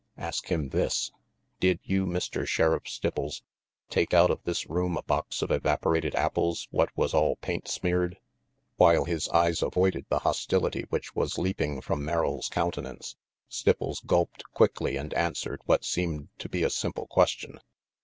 Ask him this did you, Mr. Sheriff Stipples, take out of this room a box of evaporated apples what was all paint smeared?" While his eyes avoided the hostility which v/as leaping from Merrill's countenance, Stipples gulped RANGY PETE 271 quickly and answered what seemed to be a simple question.